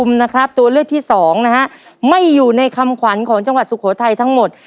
นะครับตัวเลือกที่สองนะฮะไม่อยู่ในคำขวัญของจังหวัดสุโขทัยทั้งหมด